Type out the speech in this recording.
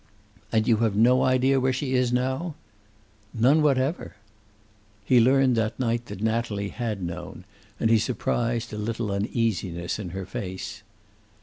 "And you have no idea where she is now." "None whatever." He learned that night that Natalie had known, and he surprised a little uneasiness in her face.